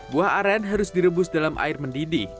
buah aren harus direbus dalam air mendidih